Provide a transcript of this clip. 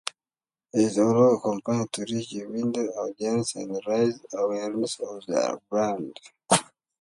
It allows companies to reach a wider audience and raise awareness of their brand.